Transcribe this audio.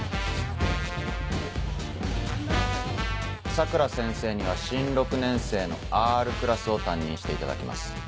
佐倉先生には新６年生のＲクラスを担任していただきます。